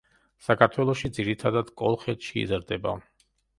საქართველოში ძირითადად კოლხეთში იზრდება.